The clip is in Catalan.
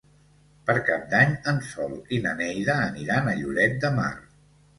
Per Cap d'Any en Sol i na Neida aniran a Lloret de Mar.